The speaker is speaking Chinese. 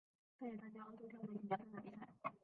他也参加欧洲跳水锦标赛的比赛。